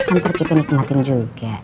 ntar kita nikmatin juga